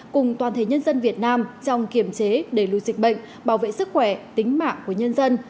cùng toàn thể nhân dân việt nam trong kiểm chế đẩy lùi dịch bệnh bảo vệ sức khỏe tính mạng của nhân dân